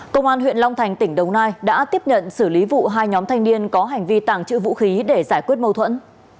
công an huyện long thành tỉnh đồng nai đã tiếp nhận xử lý vụ hai nhóm thanh niên có hành vi tàng trữ vũ khí để giải quyết mâu thuẫn